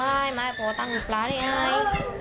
ไม่ให้พ่อเจอไม้ไม่ให้พ่อตั้งหลุดปลาได้ง่าย